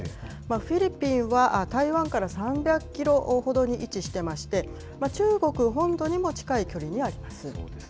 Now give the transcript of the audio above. フィリピンは台湾から３００キロほどに位置してまして、中国本土にも近い距離にあります。